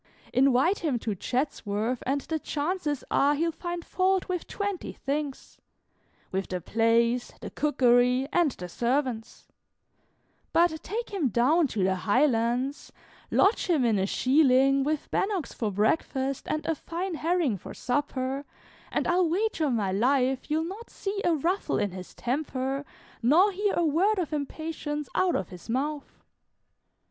Invite him to Chatsworth, and the chances are he'll find fault with twenty things, with the place, the cookery, and the servants; but take him down to the Highlands, lodge him in a shieling, with bannocks for breakfast and a Fyne herring for supper, and I 'll wager my life you 'll not see a ruffle in his temper, nor hear a word of impatience out of his mouth."